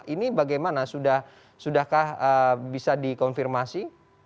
ini bagaimana sudahkah bisa dikonfirmasi